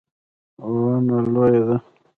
ونه لویه ده